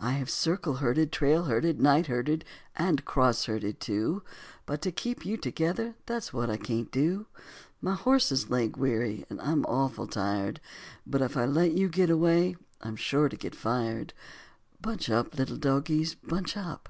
I have circle herded, trail herded, night herded, and cross herded, too, But to keep you together, that's what I can't do; My horse is leg weary and I'm awful tired, But if I let you get away I'm sure to get fired, Bunch up, little dogies, bunch up.